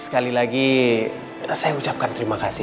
sekali lagi saya ucapkan terimakasih